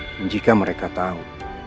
dan jika mereka tahu